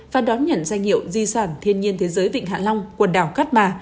và đón nhận danh hiệu di sản thiên nhiên thế giới vịnh hạ long quần đảo cát bà